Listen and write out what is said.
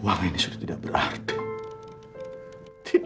uang ini sudah tidak berharga